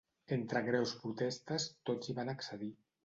Entre greus protestes, tots hi van accedir.